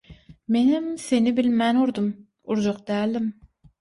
Menem seni bilmän urdum, urjak däldim.